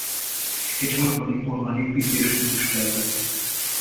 Egy harmadik vonal építését is tervezik.